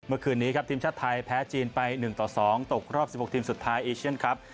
เมื่อคืนนี้ครับทีมชาติไทยแพ้จีนไป๑ต่อ๒ตกรอบ๑๖ทีมสุดท้ายเอเชียนครับ